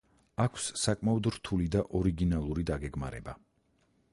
აქვს საკმაოდ რთული და ორიგინალური დაგეგმარება.